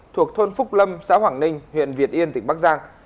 thuộc thôn phúc lâm xã hoàng ninh huyện việt yên tỉnh bắc giang